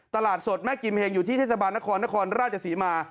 ตลาดสดแม่กิมเฮงอยู่ที่เทศบาลนครนครราชศรีมา